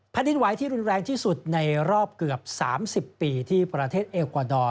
ดินไหวที่รุนแรงที่สุดในรอบเกือบ๓๐ปีที่ประเทศเอลกวาดอร์